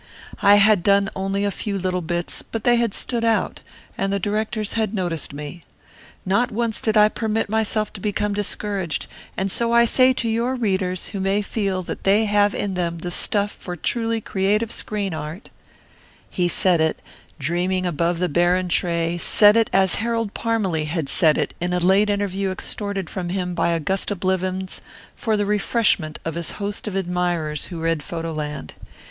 I had done only a few little bits, but they had stood out, and the directors had noticed me. Not once did I permit myself to become discouraged, and so I say to your readers who may feel that they have in them the stuff for truly creative screen art '" He said it, dreaming above the barren tray, said it as Harold Parmalee had said it in a late interview extorted from him by Augusta Blivens for the refreshment of his host of admirers who read Photo Land.